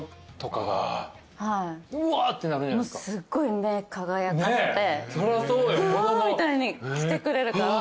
すっごい目輝かせて「うわ！」みたいに来てくれるから。